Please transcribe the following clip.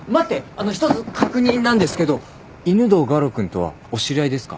あの一つ確認なんですけど犬堂我路君とはお知り合いですか？